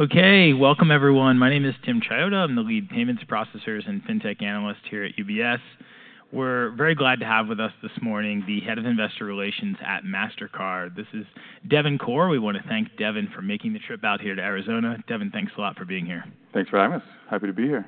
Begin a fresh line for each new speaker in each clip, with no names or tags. Okay, welcome everyone. My name is Tim Chiodo. I'm the lead payments processors and fintech analyst here at UBS. We're very glad to have with us this morning the head of investor relations at Mastercard. This is Devin Corr. We want to thank Devin for making the trip out here to Arizona. Devin, thanks a lot for being here.
Thanks for having us. Happy to be here.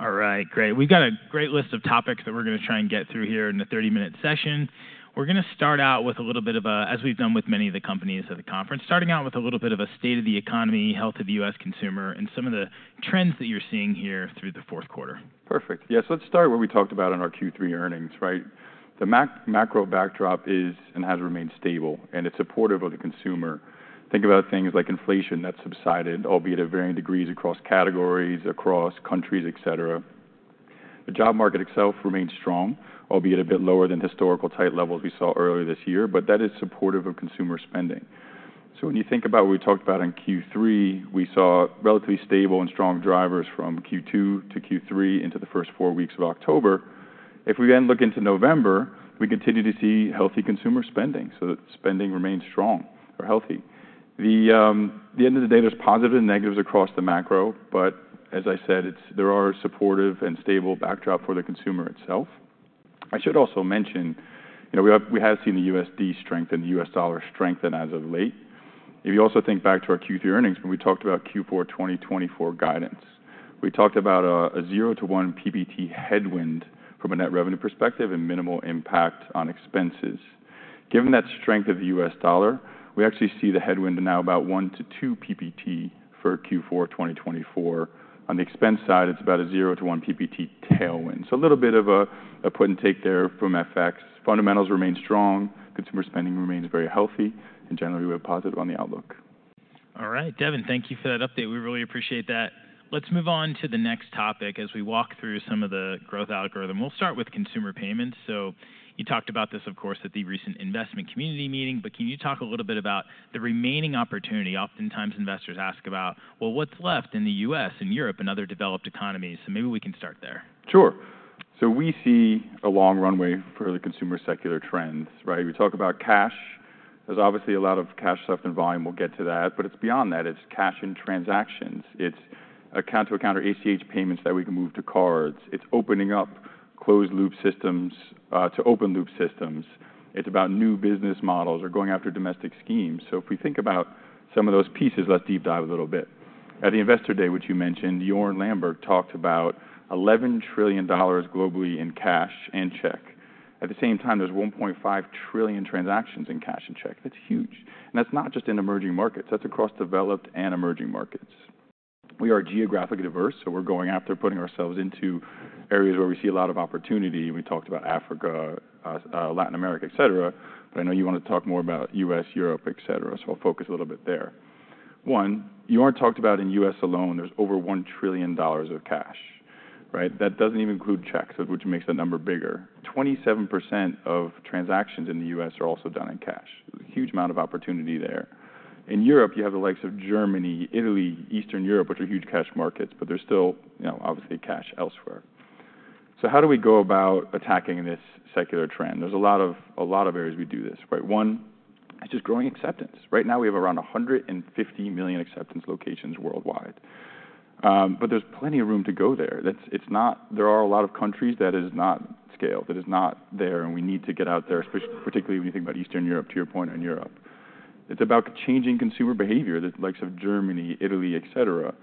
All right, great. We've got a great list of topics that we're going to try and get through here in the 30-minute session. We're going to start out with a little bit of a, as we've done with many of the companies at the conference, starting out with a little bit of a state of the economy, health of the U.S. consumer, and some of the trends that you're seeing here through the fourth quarter.
Perfect. Yes, let's start with what we talked about in our Q3 earnings, right? The macro backdrop is and has remained stable, and it's supportive of the consumer. Think about things like inflation that's subsided, albeit at varying degrees across categories, across countries, et cetera. The job market itself remains strong, albeit a bit lower than historical tight levels we saw earlier this year, but that is supportive of consumer spending. So when you think about what we talked about in Q3, we saw relatively stable and strong drivers from Q2 to Q3 into the first four weeks of October. If we then look into November, we continue to see healthy consumer spending. So spending remains strong or healthy. At the end of the day, there's positives and negatives across the macro, but as I said, there are supportive and stable backdrops for the consumer itself. I should also mention, you know, we have seen the USD strengthen, the US dollar strengthen as of late. If you also think back to our Q3 earnings, when we talked about Q4 2024 guidance, we talked about a 0-1 percentage point headwind from a net revenue perspective and minimal impact on expenses. Given that strength of the US dollar, we actually see the headwind now about 1-2 percentage points for Q4 2024. On the expense side, it's about a 0-1 percentage point tailwind. So a little bit of a put and take there from FX. Fundamentals remain strong. Consumer spending remains very healthy. Generally, we're positive on the outlook.
All right, Devin, thank you for that update. We really appreciate that. Let's move on to the next topic as we walk through some of the growth algorithm. We'll start with consumer payments. So you talked about this, of course, at the recent investment community meeting, but can you talk a little bit about the remaining opportunity? Oftentimes investors ask about, well, what's left in the U.S. and Europe and other developed economies? So maybe we can start there.
Sure. So we see a long runway for the consumer secular trends, right? We talk about cash. There's obviously a lot of cash left in volume. We'll get to that. But it's beyond that. It's cash in transactions. It's account-to-account or ACH payments that we can move to cards. It's opening up closed loop systems to open loop systems. It's about new business models or going after domestic schemes. So if we think about some of those pieces, let's deep dive a little bit. At the Investor Day, which you mentioned, Jorn Lambert talked about $11 trillion globally in cash and check. At the same time, there's 1.5 trillion transactions in cash and check. That's huge. And that's not just in emerging markets. That's across developed and emerging markets. We are geographically diverse, so we're going after putting ourselves into areas where we see a lot of opportunity. We talked about Africa, Latin America, et cetera. But I know you want to talk more about U.S., Europe, et cetera, so I'll focus a little bit there. One, you haven't talked about U.S. alone. There's over $1 trillion of cash, right? That doesn't even include checks, which makes the number bigger. 27% of transactions in the U.S. are also done in cash. There's a huge amount of opportunity there. In Europe, you have the likes of Germany, Italy, Eastern Europe, which are huge cash markets, but there's still, you know, obviously cash elsewhere. So how do we go about attacking this secular trend? There's a lot of areas we do this, right? One, it's just growing acceptance. Right now, we have around 150 million acceptance locations worldwide. But there's plenty of room to go there. There are a lot of countries that is not scaled, that is not there, and we need to get out there, particularly when you think about Eastern Europe, to your point on Europe. It's about changing consumer behavior. The likes of Germany, Italy, et cetera,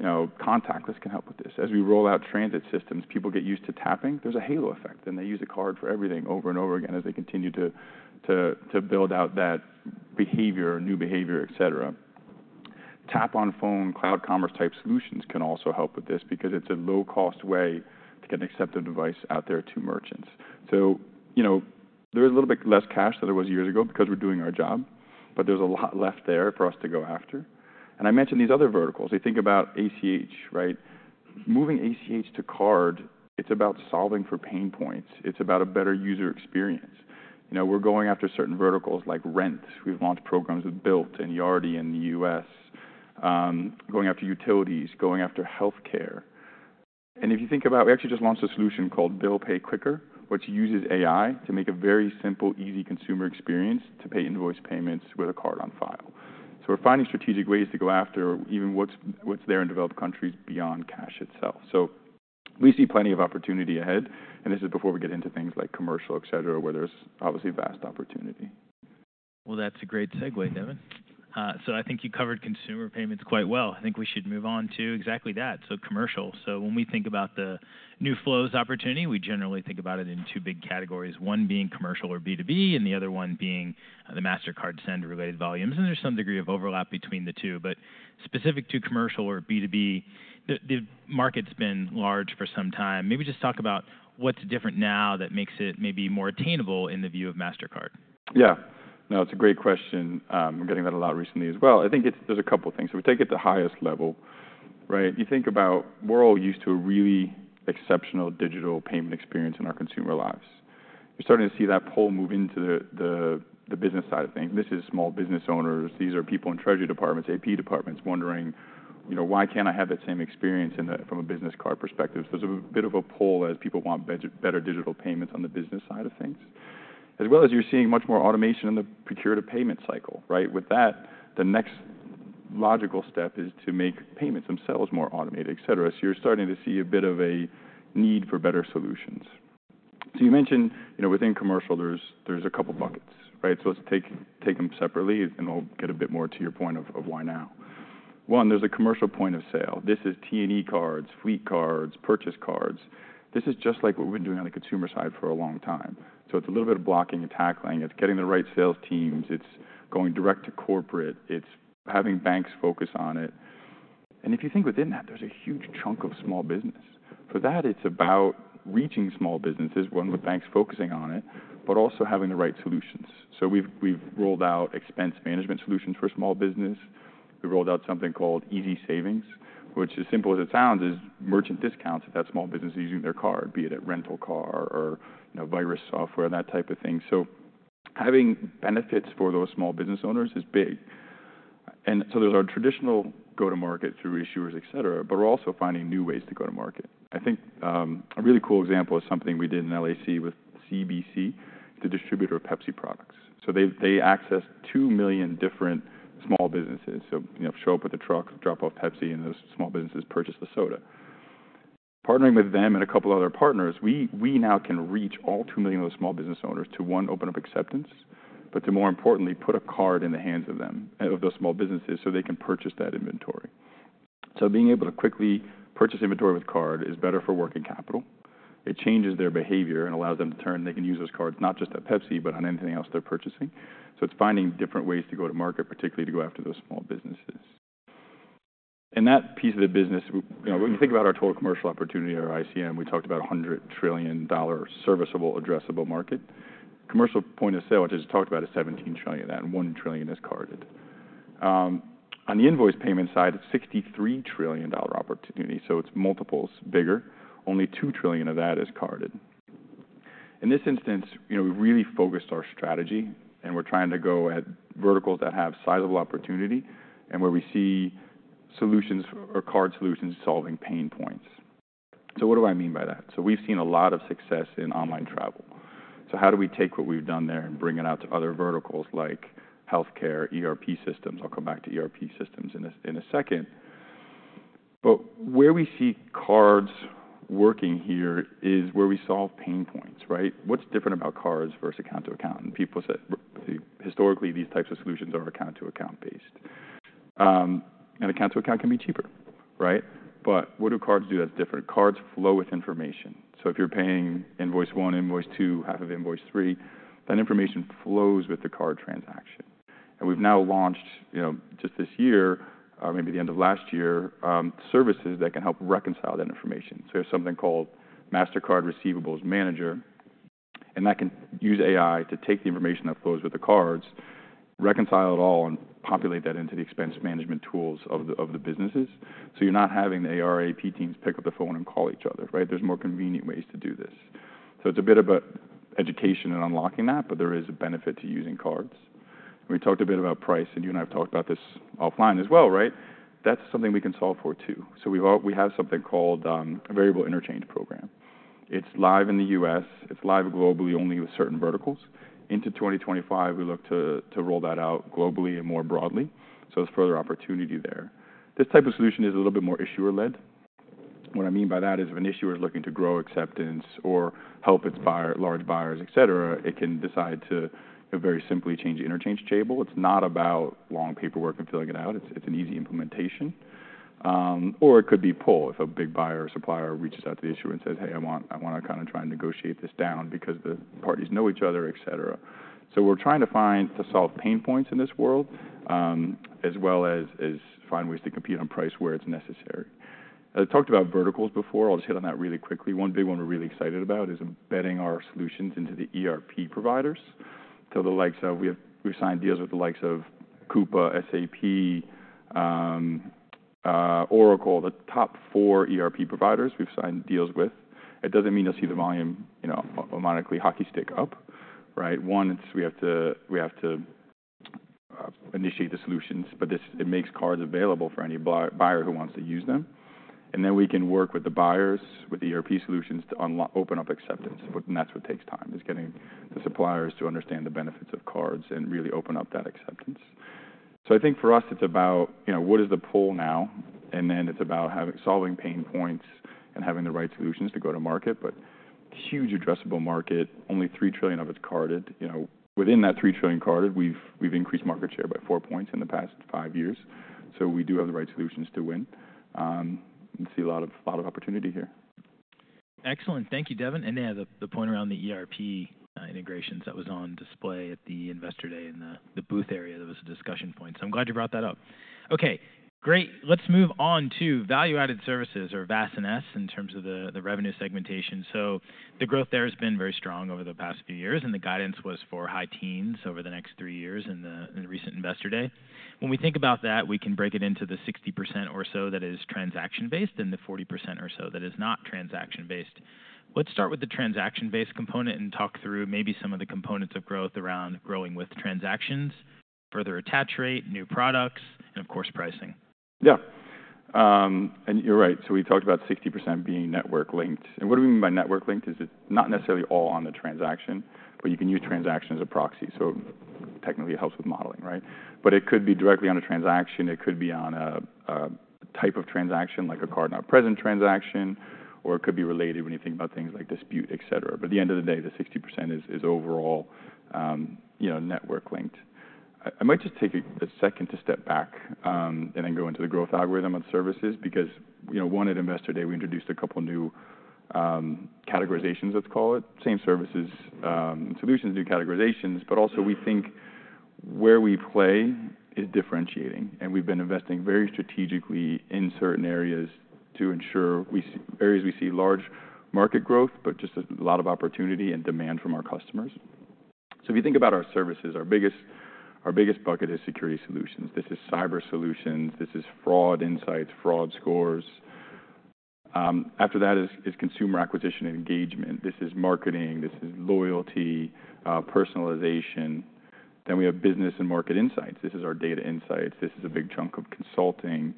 you know, contactless can help with this. As we roll out transit systems, people get used to tapping. There's a halo effect, and they use a card for everything over and over again as they continue to build out that behavior, new behavior, et cetera. Tap on Phone, Cloud Commerce type solutions can also help with this because it's a low-cost way to get an acceptable device out there to merchants. You know, there is a little bit less cash than there was years ago because we're doing our job, but there's a lot left there for us to go after. And I mentioned these other verticals. You think about ACH, right? Moving ACH to card, it's about solving for pain points. It's about a better user experience. You know, we're going after certain verticals like rent. We've launched programs with Bilt and Yardi in the U.S., going after utilities, going after healthcare. And if you think about, we actually just launched a solution called Bill Pay Qkr, which uses AI to make a very simple, easy consumer experience to pay invoice payments with a card on file. So we're finding strategic ways to go after even what's there in developed countries beyond cash itself. So we see plenty of opportunity ahead. And this is before we get into things like commercial, et cetera, where there's obviously vast opportunity.
That's a great segue, Devin. I think you covered consumer payments quite well. I think we should move on to exactly that, so commercial. When we think about the new flows opportunity, we generally think about it in two big categories, one being commercial or B2B, and the other one being the Mastercard Send-related volumes. There's some degree of overlap between the two, but specific to commercial or B2B, the market's been large for some time. Maybe just talk about what's different now that makes it maybe more attainable in the view of Mastercard.
Yeah. No, it's a great question. I'm getting that a lot recently as well. I think there's a couple of things. If we take it to the highest level, right? You think about, we're all used to a really exceptional digital payment experience in our consumer lives. You're starting to see that pull move into the business side of things. This is small business owners. These are people in treasury departments, AP departments wondering, you know, why can't I have that same experience from a business card perspective? There's a bit of a pull as people want better digital payments on the business side of things, as well as you're seeing much more automation in the procure to payment cycle, right? With that, the next logical step is to make payments themselves more automated, et cetera. So you're starting to see a bit of a need for better solutions. So you mentioned, you know, within commercial, there's a couple of buckets, right? So let's take them separately, and we'll get a bit more to your point of why now. One, there's a Commercial Point of Sale. This is T&E cards, fleet cards, purchase cards. This is just like what we've been doing on the consumer side for a long time. So it's a little bit of blocking and tackling. It's getting the right sales teams. It's going direct to corporate. It's having banks focus on it. And if you think within that, there's a huge chunk of small business. For that, it's about reaching small businesses, one with banks focusing on it, but also having the right solutions. So we've rolled out expense management solutions for small business. We rolled out something called Easy Savings, which, as simple as it sounds, is merchant discounts if that small business is using their card, be it a rental car or virus software, that type of thing. So having benefits for those small business owners is big, and so there's our traditional go-to-market through issuers, et cetera, but we're also finding new ways to go to market. I think a really cool example is something we did in LAC with CBC, the distributor of Pepsi products. So they accessed two million different small businesses, so you know, show up with a truck, drop off Pepsi, and those small businesses purchase the soda. Partnering with them and a couple of other partners, we now can reach all two million of those small business owners to, one, open up acceptance, but to, more importantly, put a card in the hands of them, of those small businesses, so they can purchase that inventory. So being able to quickly purchase inventory with card is better for working capital. It changes their behavior and allows them to turn and they can use those cards not just at Pepsi, but on anything else they're purchasing. So it's finding different ways to go to market, particularly to go after those small businesses. And that piece of the business, you know, when you think about our total commercial opportunity at our ICM, we talked about $100 trillion serviceable, addressable market. Commercial point of sale, which I just talked about, is 17 trillion, and one trillion is carded. On the invoice payment side, it's $63 trillion opportunity. So it's multiples bigger. Only $2 trillion of that is carded. In this instance, you know, we've really focused our strategy, and we're trying to go at verticals that have sizable opportunity and where we see solutions or card solutions solving pain points. So what do I mean by that? So we've seen a lot of success in online travel. So how do we take what we've done there and bring it out to other verticals like healthcare, ERP systems? I'll come back to ERP systems in a second. But where we see cards working here is where we solve pain points, right? What's different about cards versus account-to-account? And people said historically these types of solutions are account-to-account based. And account-to-account can be cheaper, right? But what do cards do that's different? Cards flow with information. So if you're paying invoice one, invoice two, half of invoice three, that information flows with the card transaction. And we've now launched, you know, just this year, maybe the end of last year, services that can help reconcile that information. So there's something called Mastercard Receivables Manager, and that can use AI to take the information that flows with the cards, reconcile it all, and populate that into the expense management tools of the businesses. So you're not having the AR, AP teams pick up the phone and call each other, right? There's more convenient ways to do this. So it's a bit of an education and unlocking that, but there is a benefit to using cards. And we talked a bit about price, and you and I have talked about this offline as well, right? That's something we can solve for too. So we have something called a Variable Interchange Program. It's live in the U.S. It's live globally only with certain verticals. Into 2025, we look to roll that out globally and more broadly. So there's further opportunity there. This type of solution is a little bit more issuer-led. What I mean by that is if an issuer is looking to grow acceptance or help its large buyers, et cetera, it can decide to very simply change the interchange table. It's not about long paperwork and filling it out. It's an easy implementation. Or it could be pull if a big buyer or supplier reaches out to the issuer and says, "Hey, I want to kind of try and negotiate this down because the parties know each other," et cetera. We're trying to find— to solve pain points in this world, as well as find ways to compete on price where it's necessary. I talked about verticals before. I'll just hit on that really quickly. One big one we're really excited about is embedding our solutions into the ERP providers. We've signed deals with the likes of Coupa, SAP, Oracle, the top four ERP providers we've signed deals with. It doesn't mean you'll see the volume, you know, monetarily hockey stick up, right? One, we have to initiate the solutions, but it makes cards available for any buyer who wants to use them. Then we can work with the buyers, with the ERP solutions to open up acceptance. That's what takes time, is getting the suppliers to understand the benefits of cards and really open up that acceptance. So I think for us, it's about, you know, what is the pull now? And then it's about solving pain points and having the right solutions to go to market. But huge addressable market, only [$]3 trillion of it's carded. You know, within that [$]3 trillion carded, we've increased market share by 4 points in the past five years. So we do have the right solutions to win. We see a lot of opportunity here.
Excellent. Thank you, Devin. Yeah, the point around the ERP integrations that was on display at the Investor Day in the booth area. There was a discussion point. I'm glad you brought that up. Okay, great. Let's move on to value-added services or VAS & S in terms of the revenue segmentation. The growth there has been very strong over the past few years, and the guidance was for high teens over the next three years and the recent Investor Day. When we think about that, we can break it into the 60% or so that is transaction-based and the 40% or so that is not transaction-based. Let's start with the transaction-based component and talk through maybe some of the components of growth around growing with transactions, further attach rate, new products, and of course pricing.
Yeah. And you're right. So we talked about 60% being network-linked. And what do we mean by network-linked? Is it not necessarily all on the transaction, but you can use transactions as a proxy. So technically it helps with modeling, right? But it could be directly on a transaction. It could be on a type of transaction like a card not present transaction, or it could be related when you think about things like dispute, et cetera. But at the end of the day, the 60% is overall, you know, network-linked. I might just take a second to step back and then go into the growth algorithm of services because, you know, when at Investor Day, we introduced a couple of new categorizations, let's call it, same services and solutions, new categorizations. But also we think where we play is differentiating. We've been investing very strategically in certain areas to ensure areas we see large market growth, but just a lot of opportunity and demand from our customers. If you think about our services, our biggest bucket is security solutions. This is cyber solutions. This is fraud insights, fraud scores. After that is consumer acquisition and engagement. This is marketing. This is loyalty, personalization. Then we have business and market insights. This is our data insights. This is a big chunk of consulting.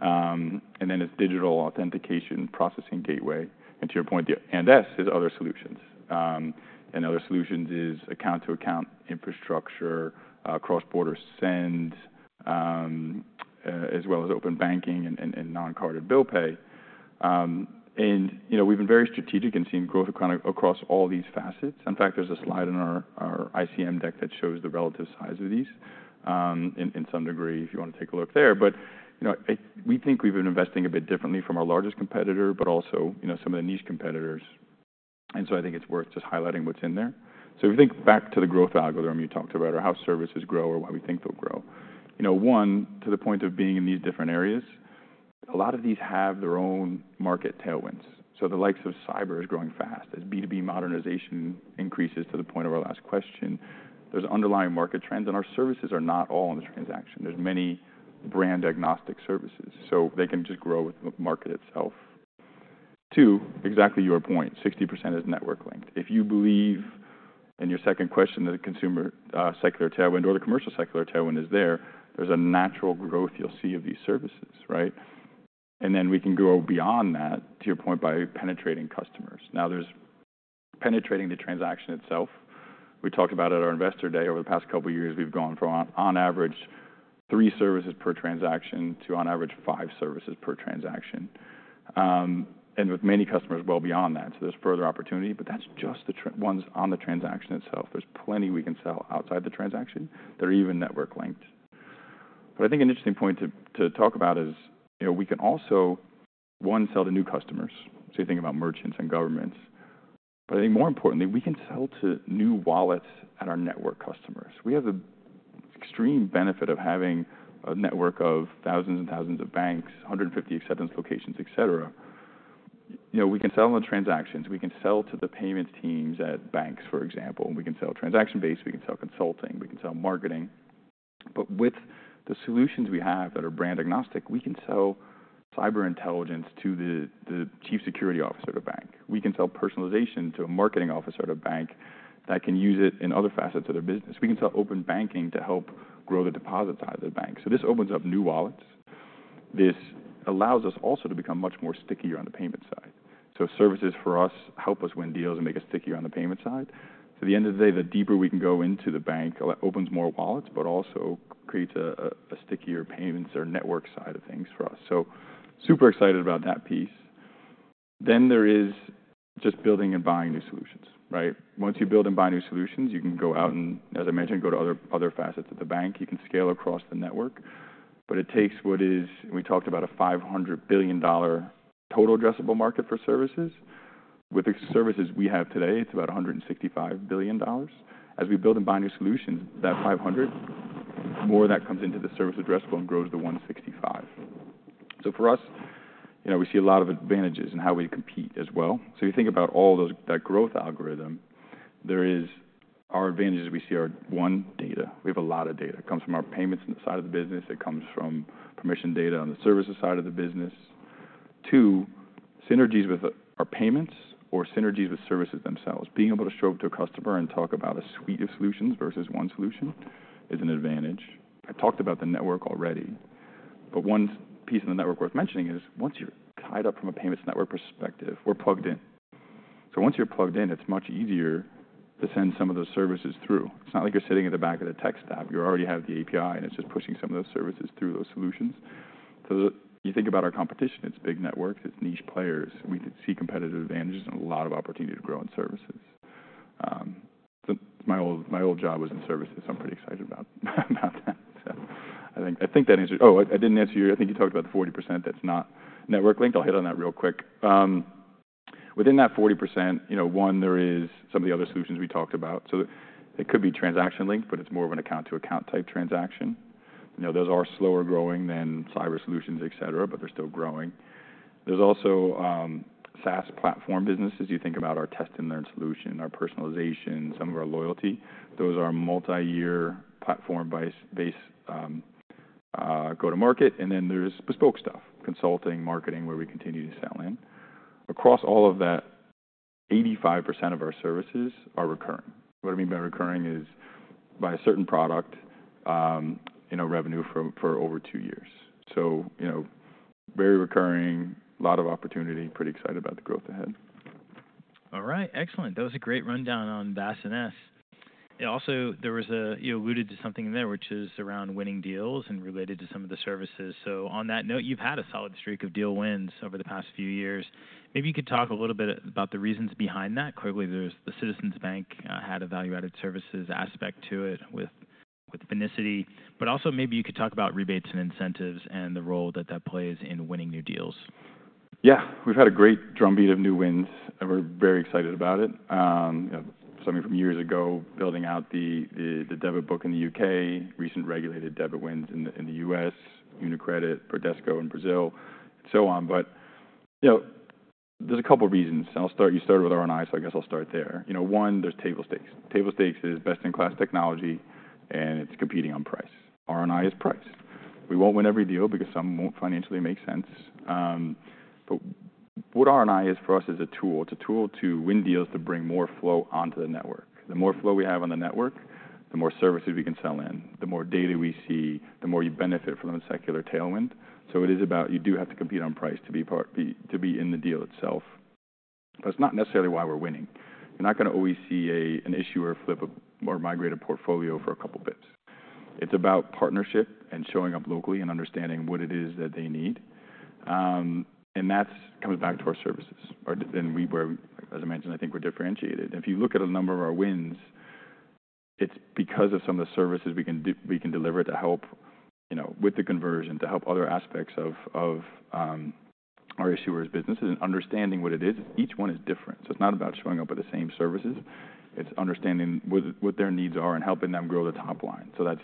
And then it's digital authentication processing gateway. And to your point, the & S is other solutions. And other solutions is account-to-account infrastructure, cross-border send, as well as open banking and non-carded bill pay. And, you know, we've been very strategic in seeing growth across all these facets. In fact, there's a slide in our ICM deck that shows the relative size of these in some degree if you want to take a look there. But, you know, we think we've been investing a bit differently from our largest competitor, but also, you know, some of the niche competitors. And so I think it's worth just highlighting what's in there. So if you think back to the growth algorithm you talked about or how services grow or why we think they'll grow, you know, one, to the point of being in these different areas, a lot of these have their own market tailwinds. So the likes of cyber is growing fast as B2B modernization increases to the point of our last question. There's underlying market trends, and our services are not all in the transaction. There's many brand agnostic services, so they can just grow with the market itself. Two, exactly your point, 60% is network-linked. If you believe in your second question that a consumer secular tailwind or the commercial secular tailwind is there, there's a natural growth you'll see of these services, right? And then we can grow beyond that, to your point, by penetrating customers. Now there's penetrating the transaction itself. We talked about it at our Investor Day. Over the past couple of years, we've gone from, on average, three services per transaction to, on average, five services per transaction. And with many customers well beyond that, so there's further opportunity. But that's just the ones on the transaction itself. There's plenty we can sell outside the transaction that are even network-linked. But I think an interesting point to talk about is, you know, we can also, one, sell to new customers. So you think about merchants and governments. But I think more importantly, we can sell to new wallets at our network customers. We have the extreme benefit of having a network of thousands and thousands of banks, 150 acceptance locations, et cetera. You know, we can sell on the transactions. We can sell to the payments teams at banks, for example. We can sell transaction-based. We can sell consulting. We can sell marketing. But with the solutions we have that are brand agnostic, we can sell cyber intelligence to the chief security officer of a bank. We can sell personalization to a marketing officer at a bank that can use it in other facets of their business. We can sell open banking to help grow the deposit side of the bank. So this opens up new wallets. This allows us also to become much more stickier on the payment side. So services for us help us win deals and make us stickier on the payment side. So at the end of the day, the deeper we can go into the bank, it opens more wallets, but also creates a stickier payments or network side of things for us. So super excited about that piece. Then there is just building and buying new solutions, right? Once you build and buy new solutions, you can go out and, as I mentioned, go to other facets of the bank. You can scale across the network. But it takes what is we talked about, a $500 billion total addressable market for services. With the services we have today, it's about $165 billion. As we build and buy new solutions, that $500 billion, more of that comes into the service addressable and grows to $165 billion. So for us, you know, we see a lot of advantages in how we compete as well. If you think about all that growth algorithm, there are our advantages we see: one, data. We have a lot of data. It comes from our payments side of the business. It comes from permission data on the services side of the business. Two, synergies with our payments or synergies with services themselves. Being able to show up to a customer and talk about a suite of solutions versus one solution is an advantage. I talked about the network already. But one piece of the network worth mentioning is once you're tied up from a payments network perspective, we're plugged in. So once you're plugged in, it's much easier to send some of those services through. It's not like you're sitting at the back of the tech stack. You already have the API, and it's just pushing some of those services through those solutions. So you think about our competition. It's big networks. It's niche players. We can see competitive advantages and a lot of opportunity to grow in services. My old job was in services. I'm pretty excited about that. I think that answered. Oh, I didn't answer your— I think you talked about the 40% that's not network-linked. I'll hit on that real quick. Within that 40%, you know, one, there is some of the other solutions we talked about. It could be transaction-linked, but it's more of an account-to-account type transaction. You know, those are slower growing than cyber solutions, et cetera, but they're still growing. There's also SaaS platform businesses. You think about our Test & Learn solution, our personalization, some of our loyalty. Those are multi-year platform-based go-to-market. And then there's bespoke stuff, consulting, marketing, where we continue to sell in. Across all of that, 85% of our services are recurring. What I mean by recurring is by a certain product, you know, revenue for over two years. So, you know, very recurring, a lot of opportunity, pretty excited about the growth ahead.
All right. Excellent. That was a great rundown on VAS & S. And also, there was a, you alluded to something in there, which is around winning deals and related to some of the services. So on that note, you've had a solid streak of deal wins over the past few years. Maybe you could talk a little bit about the reasons behind that. Clearly, the Citizens Bank had a value-added services aspect to it with Finicity. But also maybe you could talk about rebates and incentives and the role that that plays in winning new deals.
Yeah, we've had a great drumbeat of new wins. We're very excited about it. Something from years ago, building out the debit book in the U.K., recent regulated debit wins in the U.S., UniCredit, Bradesco in Brazil, and so on. But, you know, there's a couple of reasons. And I'll start, you started with R&I, so I guess I'll start there. You know, one, there's table stakes. Table stakes is best-in-class technology, and it's competing on price. R&I is price. We won't win every deal because some won't financially make sense. But what R&I is for us is a tool. It's a tool to win deals to bring more flow onto the network. The more flow we have on the network, the more services we can sell in, the more data we see, the more you benefit from the secular tailwind. It is about you do have to compete on price to be in the deal itself. But it's not necessarily why we're winning. You're not going to always see an issuer flip or migrate a portfolio for a couple of basis points. It's about partnership and showing up locally and understanding what it is that they need. And that comes back to our services. And we, as I mentioned, I think we're differentiated. If you look at a number of our wins, it's because of some of the services we can deliver to help, you know, with the conversion, to help other aspects of our issuers' businesses and understanding what it is. Each one is different. So it's not about showing up with the same services. It's understanding what their needs are and helping them grow the top line. So that's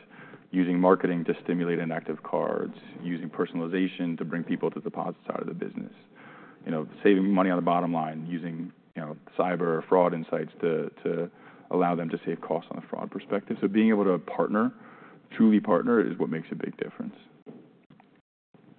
using marketing to stimulate inactive cards, using personalization to bring people to the deposit side of the business, you know, saving money on the bottom line, using, you know, cyber fraud insights to allow them to save costs on the fraud perspective. So being able to partner, truly partner, is what makes a big difference.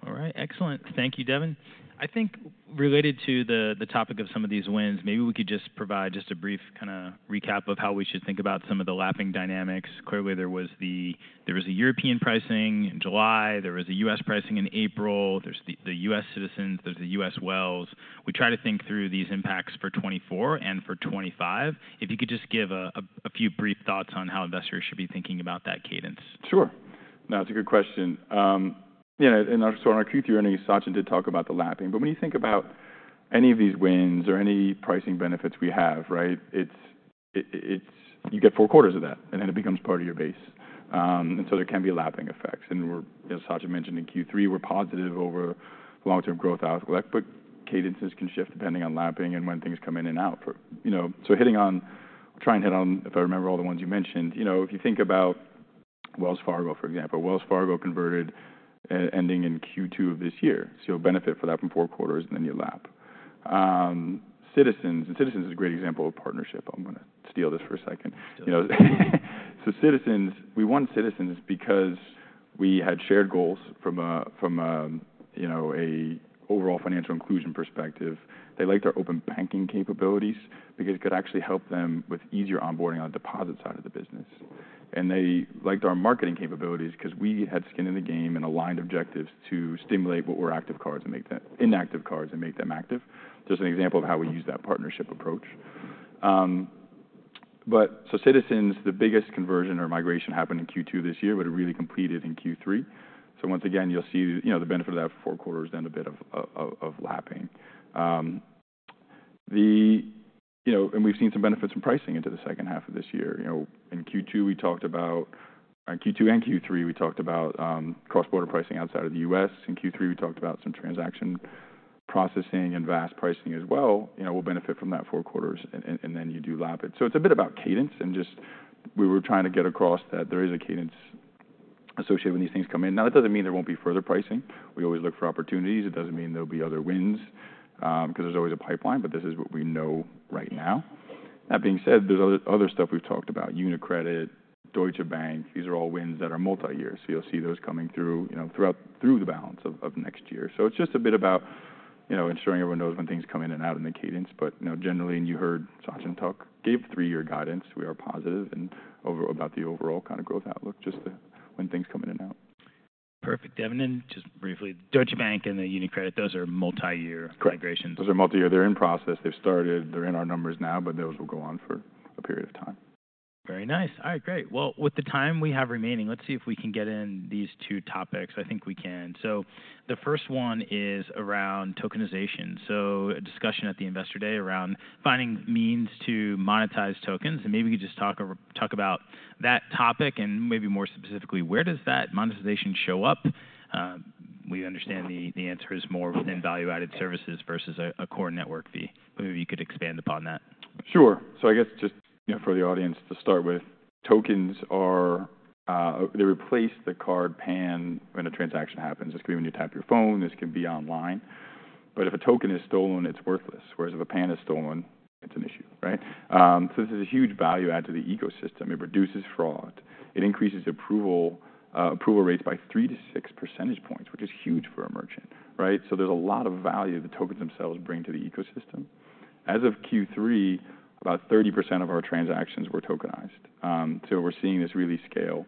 All right. Excellent. Thank you, Devin. I think related to the topic of some of these wins, maybe we could just provide just a brief kind of recap of how we should think about some of the lapping dynamics. Clearly, there was the European pricing in July. There was a U.S. pricing in April. There's the U.S. Citizens. There's the U.S. Wells. We try to think through these impacts for 2024 and for 2025. If you could just give a few brief thoughts on how investors should be thinking about that cadence.
Sure. No, it's a good question. You know, and also in our Q3 earnings, Sachin did talk about the lapping. But when you think about any of these wins or any pricing benefits we have, right, it's you get four quarters of that, and then it becomes part of your base. And so there can be lapping effects. And Sachin mentioned in Q3, we're positive over long-term growth outlook, but cadences can shift depending on lapping and when things come in and out. You know, so hitting on, trying to hit on, if I remember all the ones you mentioned, you know, if you think about Wells Fargo, for example, Wells Fargo converted ending in Q2 of this year. So you'll benefit for that from four quarters, and then you lap. Citizens, and Citizens is a great example of partnership. I'm going to steal this for a second. You know, so Citizens, we won Citizens because we had shared goals from a, you know, an overall financial inclusion perspective. They liked our open banking capabilities because it could actually help them with easier onboarding on the deposit side of the business. And they liked our marketing capabilities because we had skin in the game and aligned objectives to stimulate what were active cards and make— inactive cards and make them active. Just an example of how we use that partnership approach. But so Citizens, the biggest conversion or migration happened in Q2 this year, but it really completed in Q3. So once again, you'll see, you know, the benefit of that four quarters then a bit of lapping. You know, and we've seen some benefits from pricing into the second half of this year. You know, in Q2, we talked about, in Q2 and Q3, we talked about cross-border pricing outside of the U.S. In Q3, we talked about some transaction processing and VAS pricing as well. You know, we'll benefit from that four quarters, and then you do lap it. So it's a bit about cadence, and just we were trying to get across that there is a cadence associated when these things come in. Now, that doesn't mean there won't be further pricing. We always look for opportunities. It doesn't mean there'll be other wins because there's always a pipeline, but this is what we know right now. That being said, there's other stuff we've talked about, UniCredit, Deutsche Bank. These are all wins that are multi-year. So you'll see those coming through, you know, throughout the balance of next year. So it's just a bit about, you know, ensuring everyone knows when things come in and out in the cadence. But, you know, generally, and you heard Sachin talk, gave three-year guidance. We are positive and about the overall kind of growth outlook just when things come in and out.
Perfect, Devin. And just briefly, Deutsche Bank and the UniCredit, those are multi-year migrations.
Correct. Those are multi-year. They're in process. They've started. They're in our numbers now, but those will go on for a period of time.
Very nice. All right, great. Well, with the time we have remaining, let's see if we can get in these two topics. I think we can. So the first one is around tokenization. So a discussion at the Investor Day around finding means to monetize tokens. And maybe we could just talk about that topic and maybe more specifically, where does that monetization show up? We understand the answer is more within value-added services versus a core network fee. Maybe you could expand upon that.
Sure. So I guess just, you know, for the audience to start with, tokens are— they replace the card PAN when a transaction happens. This can be when you tap your phone. This can be online. But if a token is stolen, it's worthless. Whereas if a PAN is stolen, it's an issue, right? So this is a huge value add to the ecosystem. It reduces fraud. It increases approval rates by 3-6 percentage points, which is huge for a merchant, right? So there's a lot of value the tokens themselves bring to the ecosystem. As of Q3, about 30% of our transactions were tokenized. So we're seeing this really scale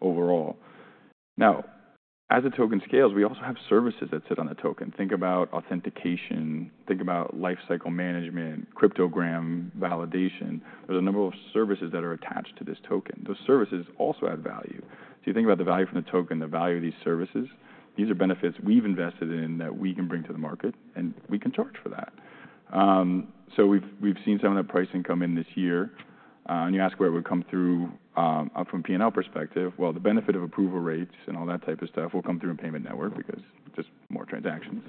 overall. Now, as a token scales, we also have services that sit on the token. Think about authentication. Think about lifecycle management, cryptogram validation. There's a number of services that are attached to this token. Those services also add value. So you think about the value from the token, the value of these services. These are benefits we've invested in that we can bring to the market, and we can charge for that. So we've seen some of that pricing come in this year. And you ask where it would come through from a P&L perspective. Well, the benefit of approval rates and all that type of stuff will come through in the payment network because just more transactions.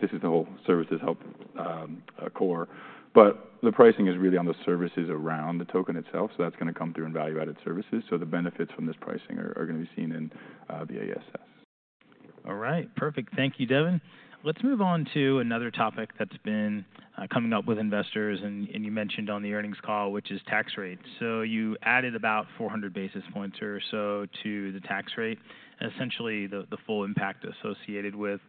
This is how the services help the core. But the pricing is really on the services around the token itself. So that's going to come through in value-added services. So the benefits from this pricing are going to be seen in the VAS[& S].
All right. Perfect. Thank you, Devin. Let's move on to another topic that's been coming up with investors. And you mentioned on the earnings call, which is tax rate. So you added about 400 basis points or so to the tax rate. Essentially, the full impact associated with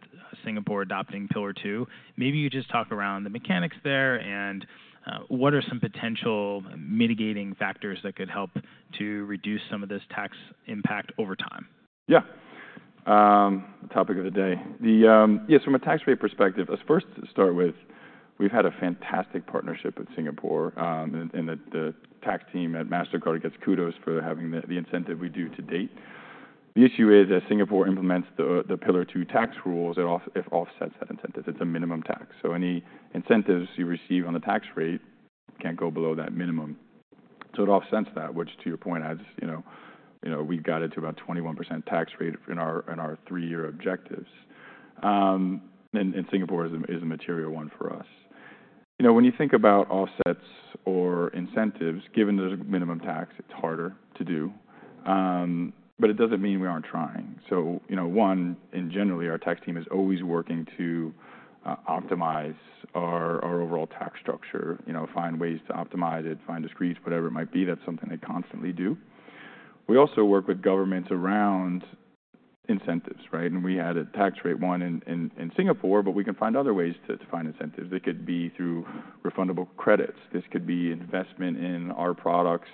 Singapore adopting Pillar Two. Maybe you could just talk around the mechanics there and what are some potential mitigating factors that could help to reduce some of this tax impact over time.
Yeah. Topic of the day. Yes, from a tax rate perspective, let's first start with we've had a fantastic partnership with Singapore, and the tax team at Mastercard gets kudos for having the incentive we do to date. The issue is, as Singapore implements the Pillar Two tax rules, it offsets that incentive. It's a minimum tax. So any incentives you receive on the tax rate can't go below that minimum. So it offsets that, which, to your point, as you know, we've got it to about 21% tax rate in our three-year objectives. And Singapore is a material one for us. You know, when you think about offsets or incentives, given there's minimum tax, it's harder to do. But it doesn't mean we aren't trying. So, you know, one, and generally, our tax team is always working to optimize our overall tax structure, you know, find ways to optimize it, find discrete, whatever it might be. That's something they constantly do. We also work with governments around incentives, right? And we had a tax rate win in Singapore, but we can find other ways to find incentives. It could be through refundable credits. This could be investment in our products,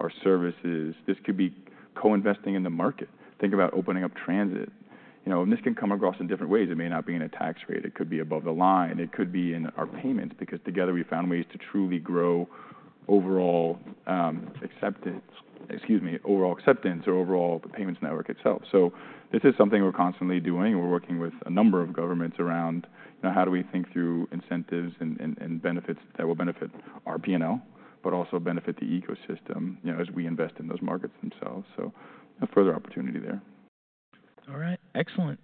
our services. This could be co-investing in the market. Think about opening up transit. You know, and this can come across in different ways. It may not be in a tax rate. It could be above the line. It could be in our payments because together we found ways to truly grow overall acceptance, excuse me, overall acceptance or overall payments network itself. So this is something we're constantly doing. We're working with a number of governments around, you know, how do we think through incentives and benefits that will benefit our P&L, but also benefit the ecosystem, you know, as we invest in those markets themselves? So, you know, further opportunity there.
All right. Excellent.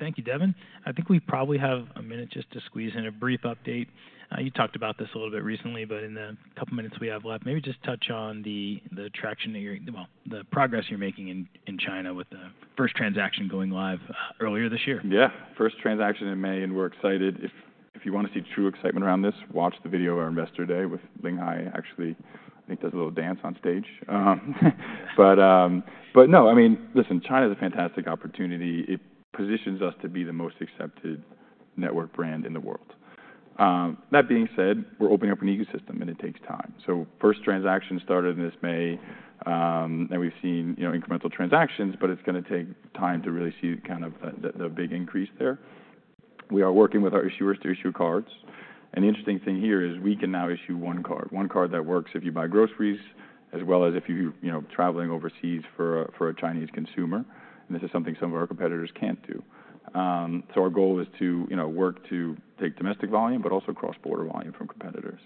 Thank you, Devin. I think we probably have a minute just to squeeze in a brief update. You talked about this a little bit recently, but in the couple of minutes we have left, maybe just touch on the traction that you're, well, the progress you're making in China with the first transaction going live earlier this year.
Yeah. First transaction in May, and we're excited. If you want to see true excitement around this, watch the video of our Investor Day with Ling Hai. Actually, I think he does a little dance on stage, but no, I mean, listen, China is a fantastic opportunity. It positions us to be the most accepted network brand in the world. That being said, we're opening up an ecosystem, and it takes time. So first transaction started in this May, and we've seen, you know, incremental transactions, but it's going to take time to really see kind of the big increase there. We are working with our issuers to issue cards. And the interesting thing here is we can now issue one card, one card that works if you buy groceries as well as if you're, you know, traveling overseas for a Chinese consumer. This is something some of our competitors can't do. Our goal is to, you know, work to take domestic volume, but also cross-border volume from competitors.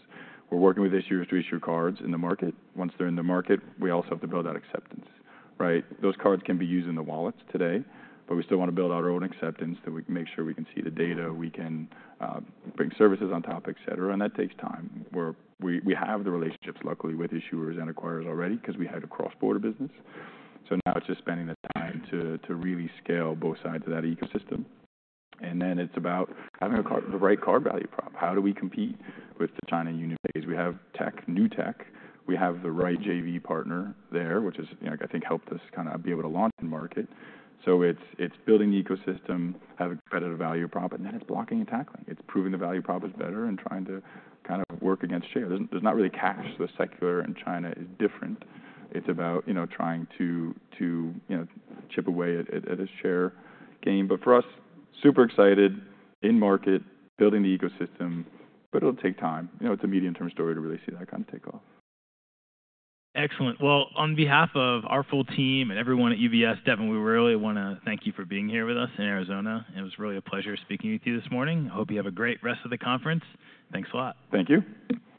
We're working with issuers to issue cards in the market. Once they're in the market, we also have to build that acceptance, right? Those cards can be used in the wallets today, but we still want to build our own acceptance that we can make sure we can see the data, we can bring services on top, et cetera. That takes time. We have the relationships, luckily, with issuers and acquirers already because we had a cross-border business. Now it's just spending the time to really scale both sides of that ecosystem. Then it's about having the right card value prop. How do we compete with China UnionPay? We have tech, new tech. We have the right JV partner there, which is, you know, I think helped us kind of be able to launch the market. So it's building the ecosystem, having competitive value prop, and then it's blocking and tackling. It's proving the value prop is better and trying to kind of work against share. There's not really cash. The secular in China is different. It's about, you know, trying to, you know, chip away at its share gain. But for us, super excited, in market, building the ecosystem, but it'll take time. You know, it's a medium-term story to really see that kind of take off.
Excellent. On behalf of our full team and everyone at UBS, Devin, we really want to thank you for being here with us in Arizona. It was really a pleasure speaking with you this morning. I hope you have a great rest of the conference. Thanks a lot.
Thank you.